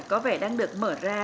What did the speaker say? có vẻ đang được mở ra